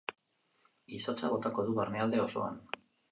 Izotza botako du barnealde osoan.